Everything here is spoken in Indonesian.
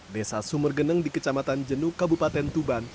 desa sumergeneng di kecamatan jenuk kabupaten tuban